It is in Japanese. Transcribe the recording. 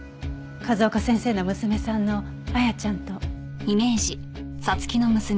風丘先生の娘さんの亜矢ちゃんと。